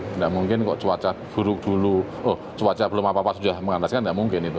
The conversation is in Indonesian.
tidak mungkin kok cuaca buruk dulu oh cuaca belum apa apa sudah mengandalkan nggak mungkin itu